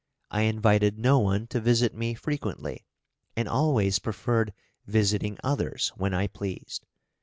I invited no one to visit me frequently, and always preferred visiting others when I pleased.